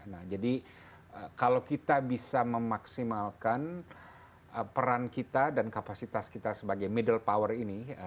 nah jadi kalau kita bisa memaksimalkan peran kita dan kapasitas kita sebagai middle power ini